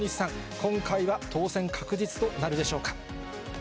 今回は当選確実となるでしょうか。